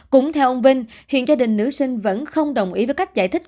cũng theo ông vinh hiện gia đình nữ sinh vẫn không đồng ý với cách giải thích